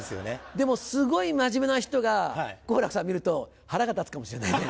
でもすごい真面目な人が好楽さん見ると腹が立つかもしれないね。